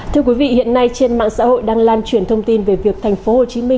thưa quý vị hiện nay trên mạng xã hội đang lan truyền thông tin về việc tp hcm